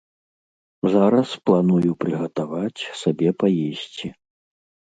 Зараз планую прыгатаваць сабе паесці.